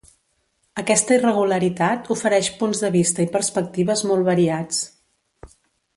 Aquesta irregularitat ofereix punts de vista i perspectives molt variats.